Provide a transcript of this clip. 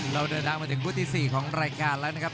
เราเดินทางมาถึงคู่ที่๔ของรายการแล้วนะครับ